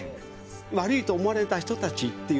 悪いと思われた人たちっていう